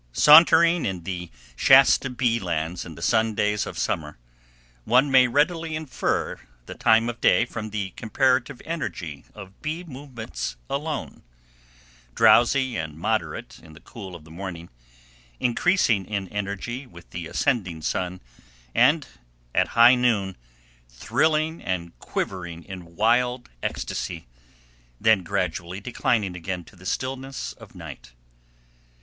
Sauntering in the Shasta bee lands in the sun days of summer, one may readily infer the time of day from the comparative energy of bee movements alone—drowsy and moderate in the cool of the morning, increasing in energy with the ascending sun, and, at high noon, thrilling and quivering in wild ecstasy, then gradually declining again to the stillness of night.